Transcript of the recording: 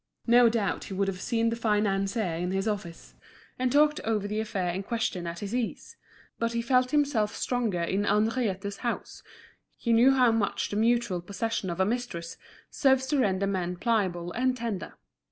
No doubt he could have seen the financier in his office, and talked over the affair in question at his ease; but he felt himself stronger in Henrietta's house; he knew how much the mutual possession of a mistress serves to render men pliable and tender.